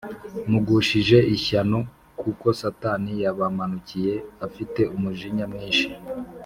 mugushije ishyano kuko Satani yabamanukiye afite umujinya mwinshi,